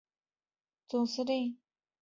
曾担任总司令之职。